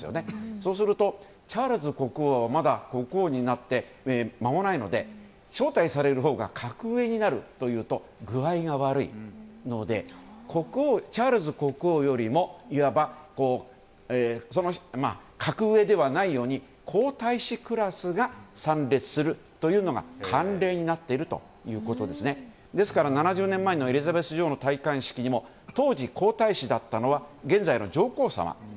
そうするとチャールズ国王はまだ国王になって間もないので招待されるほうが格上になるというと具合が悪いのでチャールズ国王よりもいわば格上ではないのに皇太子クラスがいくのが慣例になっているということで当時、皇太子だったのが現在の上皇さま。